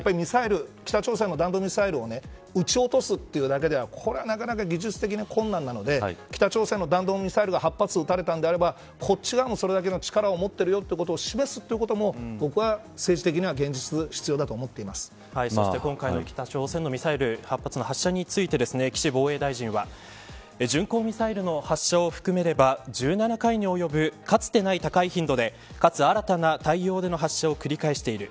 北朝鮮の弾道ミサイルを撃ち落とすというだけではこれはなかなか技術的に困難なので北朝鮮の弾道ミサイルが８発撃たれたならばこちらは、それだけの力を持ってるよということを示すことも僕は、政治的には現実そして、今回の北朝鮮のミサイル８発の発射について岸防衛大臣は巡航ミサイルの発射を含めれば１７回に及ぶかつてない高い頻度でかつ、新たな態様での発射を繰り返している。